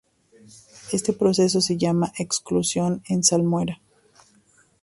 Este proceso se llama "Exclusión en salmuera".